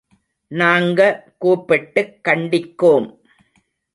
நாங்க கூப்பிட்டுக் கண்டிக்கோம்.